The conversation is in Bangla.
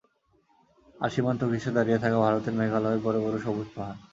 আর সীমান্ত ঘেঁষে দাঁড়িয়ে থাকা ভারতের মেঘালয়ের বড় বড় সবুজ পাহাড়।